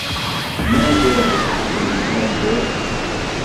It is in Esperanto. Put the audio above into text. Ne vere, feliĉa ideo?